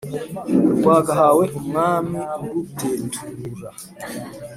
rwagahawe umwami uruteturura,